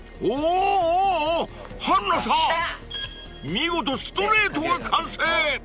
［見事ストレートが完成］